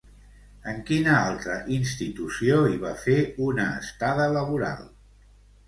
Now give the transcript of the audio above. En quina altra institució hi va fer una estada laboral?